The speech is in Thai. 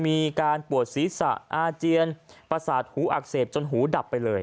มีการปวดศีรษะอาเจียนประสาทหูอักเสบจนหูดับไปเลย